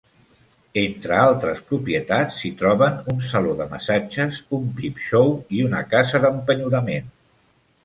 Entre altres propietats s'hi troben un saló de massatges, un peep-show i una casa d'empenyorament.